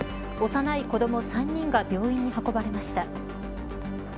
幼い子ども３人が病院に運ばれました。